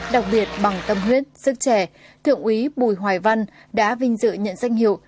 đặc biệt bằng tâm huyết sức trẻ thượng úy bùi hoài văn đã vinh dự nhận danh hiệu